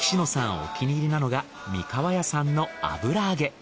お気に入りなのが三河屋さんの油揚げ。